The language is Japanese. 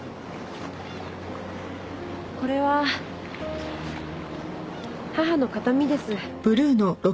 これは母の形見です。